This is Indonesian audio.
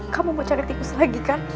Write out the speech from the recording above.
kamu mau cari tikus lagi kan